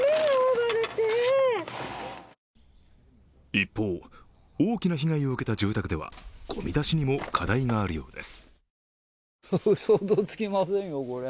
一方、大きな被害を受けた住宅では、ごみ出しにも課題があるようです。